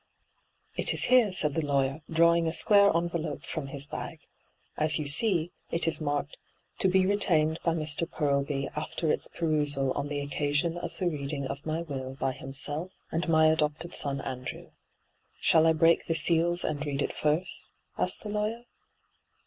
*' It is here,' said the lawyer, drawing a square envelope from his bag. ' As you see, it is marked, " To be retained by Mr. Purlby after its perusal on the occasion of the reading of my will by himself and my adopted son Andrew." Shall I break the seals and read it first V asked the lawyer.